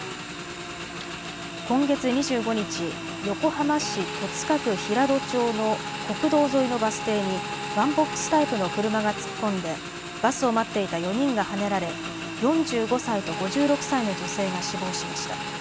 今月２５日、横浜市戸塚区平戸町の国道沿いのバス停にワンボックスタイプの車が突っ込んでバスを待っていた４人がはねられ４５歳と５６歳の女性が死亡しました。